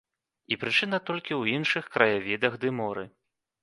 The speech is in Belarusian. І прычына толькі ў іншых краявідах ды моры.